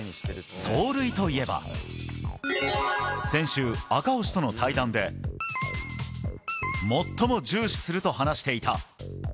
走塁といえば先週、赤星との対談で最も重視すると話していた。